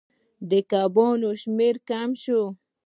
د کبانو شمیر کم شو.